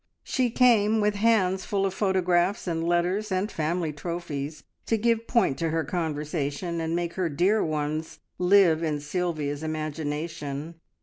She came with hands full of photographs and letters and family trophies, to give point to her conversation, and make her dear ones live in Sylvia's imagination.